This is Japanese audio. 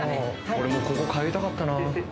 俺もここ通いたかったな。